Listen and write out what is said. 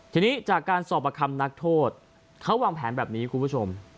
ทีนี้จากการสอบประคำนักโทษเขาวางแผนแบบนี้คุณผู้ชม